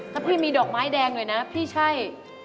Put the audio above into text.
ถ้าพี่มีดอกไม้แดงหน่อยนะพี่ใช่